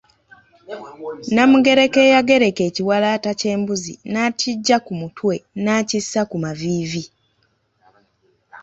Namugereka eyagereka ekiwalaata ky'embuzi nakiggya ku mutwe nakissa ku maviivi.